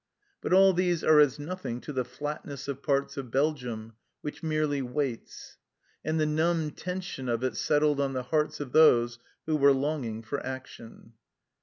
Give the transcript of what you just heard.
But all these are as nothing to the flatness of parts of Belgium, which merely waits. And the numb tension of it settled on the hearts of those who were longing for action.